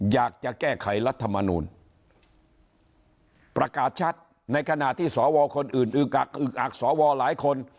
อยากจะแก้ไขรัฐมนูลประกาศชัดในขณะที่สวคนอื่นอึกอักอึกอักสวหลายคน